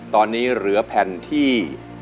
ตอนนี้เหลือแผ่นที่